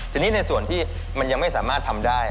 ทีนี้ในส่วนที่มันยังไม่สามารถทำได้